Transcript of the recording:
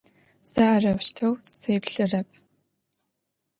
Сэ арэущтэу сеплъырэп.